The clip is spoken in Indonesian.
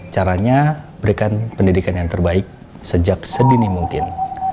caranya berikan pendidikan yang terbaik sejak sedini mungkin